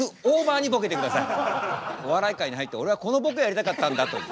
お笑い界に入って俺はこのボケをやりたかったんだという。